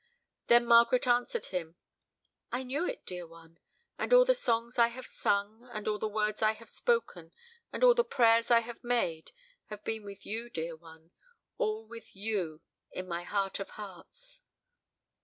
Then Margaret answered him: "I knew it, dear one; and all the songs I have sung and all the words I have spoken and all the prayers I have made have been with you, dear one, all with you, in my heart of hearts."